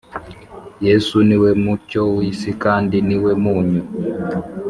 yesu niwe mucyo w’isi kandi niwe munyu